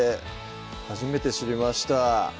初めて知りました